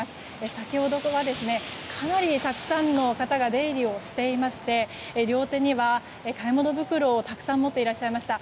先ほどから、かなりたくさんの方が出入りしていて両手には買い物袋をたくさん持っていらっしゃいました。